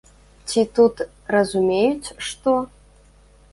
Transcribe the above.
Ці тут разумеюць што?